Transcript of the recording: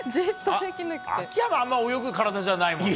秋山はあんまり泳ぐ体じゃないよな。